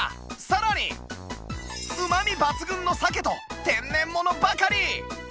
さらにうまみ抜群の鮭と天然ものばかり！